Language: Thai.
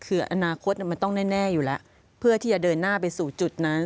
คืออนาคตมันต้องแน่อยู่แล้วเพื่อที่จะเดินหน้าไปสู่จุดนั้น